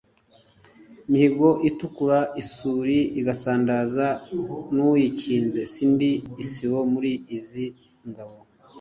Mihigo itikura isuli igasandaza n’uyikinze, si ndi isibo muli izi ngabo